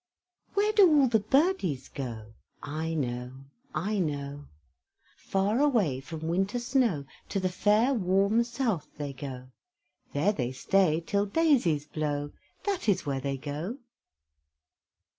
Where do all the birdies go? I know, I know! Far away from winter snow To the fair, warm South they go; There they stay till daisies blow, That is where they go!